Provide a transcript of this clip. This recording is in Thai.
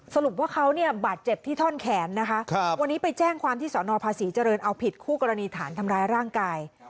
สรุปว่าเขาเนี่ยบาดเจ็บที่ท่อนแขนนะคะวันนี้ไปแจ้งความที่สนภาษีเจริญเอาผิดคู่กรณีฐานทำร้ายร่างกาย